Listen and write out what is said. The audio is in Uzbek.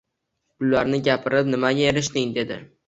Bularni gapirib nimaga erishding? — dedi.